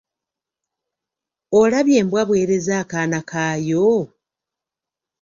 Olabye embwa bw'ereze akaana kayo?